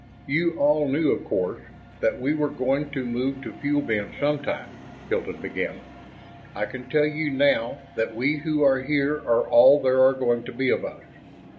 "You all knew, of course, that we were going to move to Fuel Bin sometime," Hilton began. "I can tell you now that we who are here are all there are going to be of us.